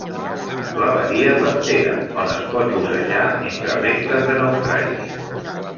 La badia Pantera, on es pot bussejar entre restes de naufragis.